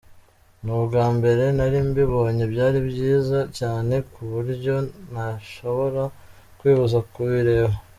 ’ni ubwa mbere nari mbibonye, byari byiza cyane kubutryo ntashyobora kwibuza kubireba.